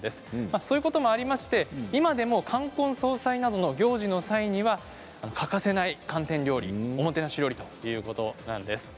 そういうこともありまして今でも冠婚葬祭などの行事の際には欠かせない寒天料理おもてなし料理ということなんです。